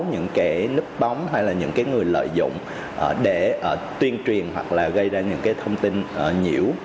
những cái nứt bóng hay là những người lợi dụng để tuyên truyền hoặc là gây ra những thông tin nhiễu